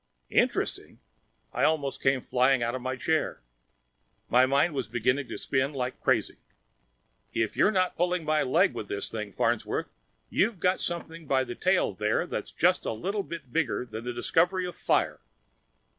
"Interesting?" I almost came flying out of my chair. My mind was beginning to spin like crazy. "If you're not pulling my leg with this thing, Farnsworth, you've got something by the tail there that's just a little bit bigger than the discovery of fire."